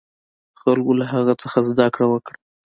خلکو له هغه څخه زده کړه وکړه.